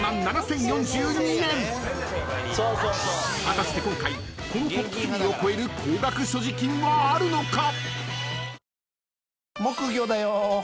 ［果たして今回このトップ３を超える高額所持金はあるのか！？］